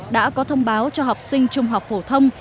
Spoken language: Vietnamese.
đã có thông báo cho học sinh trung học phổ thông